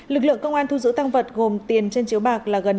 lực lượng công an thu giữ tăng vật gồm tiền trên chiếu bạc là gần